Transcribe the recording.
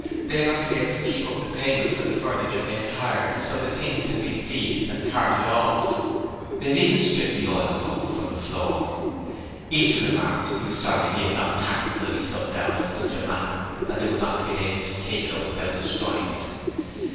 They had not been able to keep up the payments for the furniture they had hired, so the things had been seized and carted off. They had even stripped the oilcloth from the floor. Easton remarked he was sorry he had not tacked the bloody stuff down in such a manner that they would not have been able to take it up without destroying it.